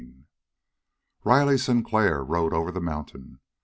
3 Riley Sinclair rode over the mountain.